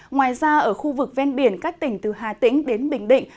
ngoài ra ở khu vực ven biển các tỉnh từ hà tĩnh đến bình định